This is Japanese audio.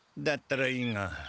だったらいいが。